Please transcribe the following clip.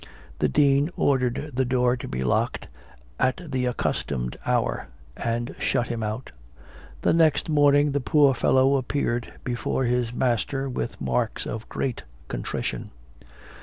The dean ordered the door to be locked at the accustomed hour, and shut him out. The next morning the poor fellow appeared before his master with marks of great contrition.